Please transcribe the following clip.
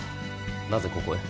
なぜここへ。